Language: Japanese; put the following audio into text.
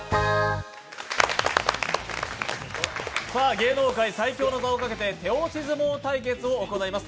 芸能界最強の座をかけて手押し相撲対決を行います。